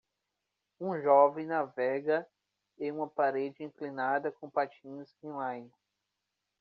Um jovem navega em uma parede inclinada com patins inline